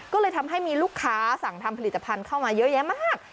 ก็เลยทำให้มีลูกค้าสั่งทำผลิตภัณฑ์เข้ามาเยอะแยะมาก